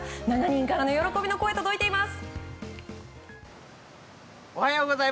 ７人からの喜びの声届いています。